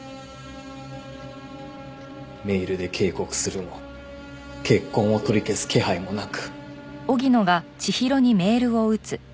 メールで警告するも結婚を取り消す気配もなく。